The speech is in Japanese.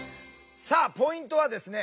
さあポイントはですね